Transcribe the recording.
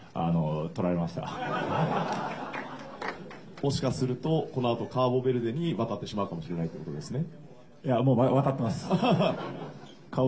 もしかするとこのあと、カーボベルデに渡ってしまうかもしれないということですね。